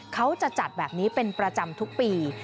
เขาจะจัดแบบนี้เป็นประจำทุกปี